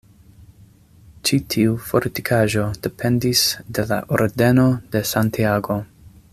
Ĉi tiu fortikaĵo dependis de la Ordeno de Santiago.